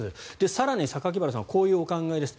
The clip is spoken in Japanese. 更に榊原さんこういうお考えです。